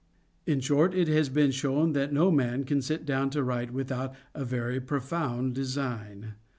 In short, it has been shown that no man can sit down to write without a very profound design.